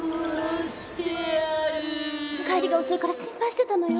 帰りが遅いから心配してたのよ。